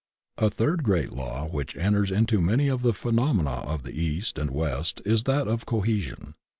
A third great law which enters into many of the phenomena of the East and West is that of Cohesion.